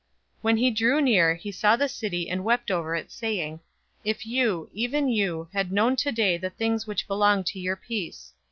019:041 When he drew near, he saw the city and wept over it, 019:042 saying, "If you, even you, had known today the things which belong to your peace!